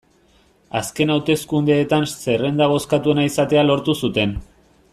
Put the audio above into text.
Azken hauteskundeetan zerrenda bozkatuena izatea lortu zuten.